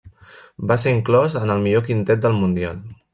Va ser inclòs en el millor quintet del mundial.